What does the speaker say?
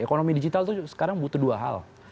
ekonomi digital itu sekarang butuh dua hal